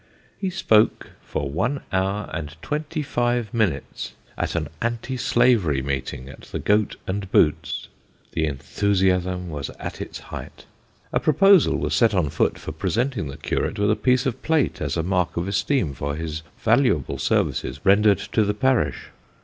He spoke for one hour and twenty five minutes, at an anti slavery meeting at the Goat and Boots the enthusiasm was at its height. A proposal was set on foot for presenting the curate with a piece of plate, as a mark of esteem for his valuable services rendered to the parish.